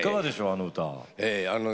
あの歌。